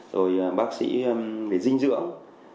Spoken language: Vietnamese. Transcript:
rồi bác sĩ về dinh dưỡng